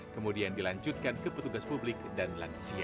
kemudian dilanjutkan ke petugas publik dan lansia